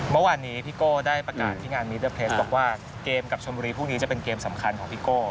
เมื่อวานนี้พี่โก้ได้ประกาศที่งานมิเตอร์เพลสบอกว่าเกมกับชมบุรีพรุ่งนี้จะเป็นเกมสำคัญของพี่โก้